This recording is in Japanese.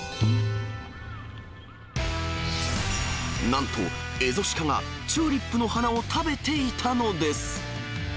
なんと、エゾシカがチューリップの花を食べていたのです。